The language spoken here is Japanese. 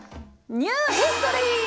ニューヒストリー！